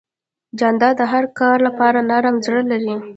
جانداد د هر کار لپاره نرم زړه لري.